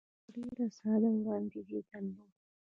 یو ډېر ساده وړاندیز یې درلود.